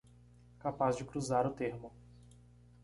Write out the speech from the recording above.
Capaz de cruzar o termo